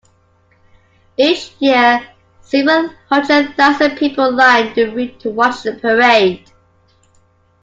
Each year several hundred thousand people line the route to watch the parade.